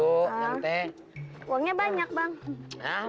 uangnya banyak bang